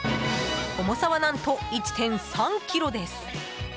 重さは何と１．３ｋｇです。